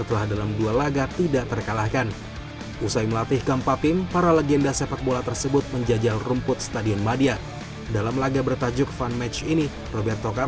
pemain muda indonesia memiliki masa depan yang baik dan menikmati waktu di indonesia